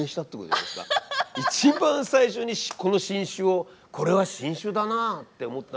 一番最初にこの新種をこれは新種だなって思ったのは。